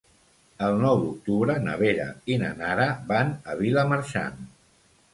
El nou d'octubre na Vera i na Nara van a Vilamarxant.